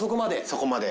そこまで。